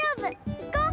いこう！